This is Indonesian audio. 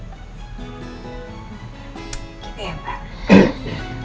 gitu ya pak